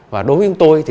và đối với tôi